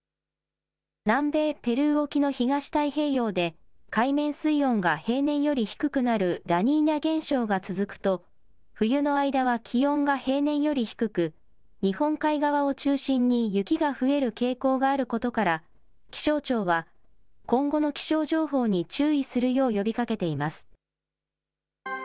南米ペルー沖の東太平洋で、海面水温が平年より低くなるラニーニャ現象が続くと、冬の間は気温が平年より低く、日本海側を中心に雪が増える傾向があることから、気象庁は今後の気象情報に注意するよう呼びかけています。